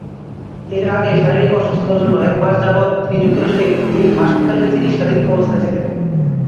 এর আগে শারীরিক অসুস্থতার জন্যে একমাস যাবৎ তিনি যুক্তরাষ্ট্রের এই হাসপাতালে চিকিৎসাধীন অবস্থায় ছিলেন।